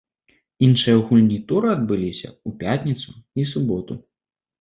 Іншыя гульні тура адбыліся ў пятніцу і суботу.